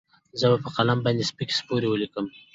زه به په قلم باندې سپکې سپورې وليکم.